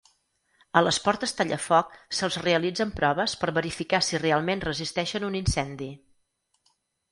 A les portes tallafoc se'ls realitzen proves per verificar si realment resisteixen un incendi.